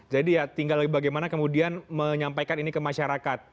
jadi ya tinggal bagaimana kemudian menyampaikan ini ke masyarakat